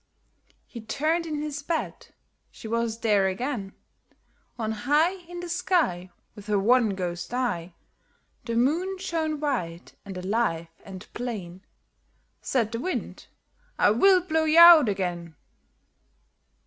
He turned in his bed; she was there again! On high In the sky With her one ghost eye, The Moon shone white and alive and plain. Said the Wind "I will blow you out again."